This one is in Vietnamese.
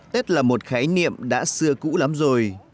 tết là một khái niệm đã xưa cũ lắm rồi